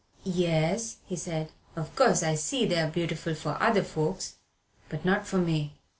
"Yes," he said, "of course I see they're beautiful for other folks, but not for me.